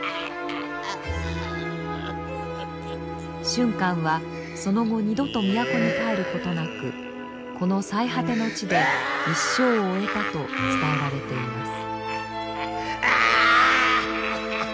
俊寛はその後二度と都に帰ることなくこの最果ての地で一生を終えたと伝えられています。